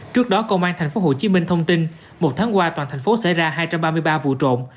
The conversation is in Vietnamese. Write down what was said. trước đó công an tp hcm thông tin một tháng qua toàn thành phố xảy ra hai trăm ba mươi ba vụ trộm